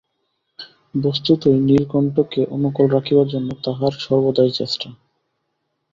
বস্তুতই নীলকণ্ঠকে অনুকূল রাখিবার জন্য তাহার সর্বদাই চেষ্টা।